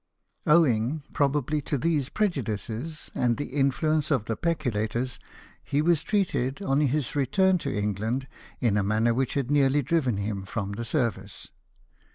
Owing, probably, to these prejudices, and the in fluence of the peculators, he was treated, on his return to England, in a manner which had nearly driven him from the service.